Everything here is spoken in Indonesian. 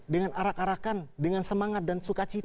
dengan arak arakan dengan semangat dan suka cita